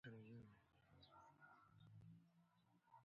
لوی پاستي پراته وو، دومره غوښه ورباندې وه